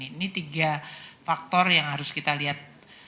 ini tiga faktor yang harus kita lihat